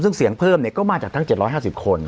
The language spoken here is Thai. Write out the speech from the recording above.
ซึ่งเสียงเพิ่มเนี่ยก็มาจากทั้งเจ็ดร้อยห้าสิบคนครับ